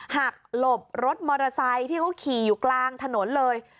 หลบรถมอเตอร์ไซค์ที่เขาขี่อยู่กลางถนนเลย